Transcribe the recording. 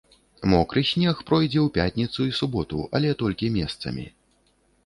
Мокры снег пройдзе ў пятніцу і ў суботу, але толькі месцамі.